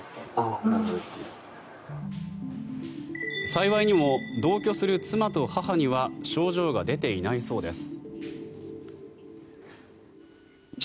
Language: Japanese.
幸いにも同居する妻と母には症状が出ていないそうです。